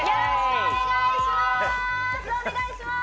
お願いします